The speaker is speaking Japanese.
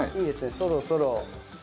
そろそろ。